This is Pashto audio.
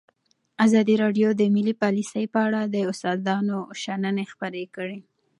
ازادي راډیو د مالي پالیسي په اړه د استادانو شننې خپرې کړي.